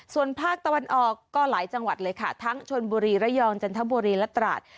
ส่วนภาคตะวันออกก็หลายจังหวัดเลยค่ะทั้งชนบุรีระยองจันทบุรีและตราด